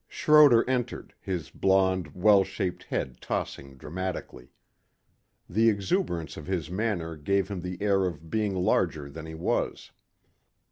Schroder entered, his blond, well shaped head tossing dramatically. The exuberance of his manner gave him the air of being larger than he was.